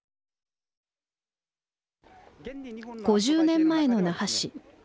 ５０年前の那覇市。